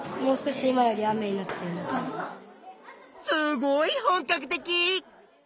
すごい本かく的！